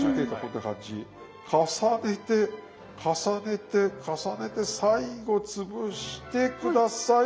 重ねて重ねて重ねて最後潰して下さい。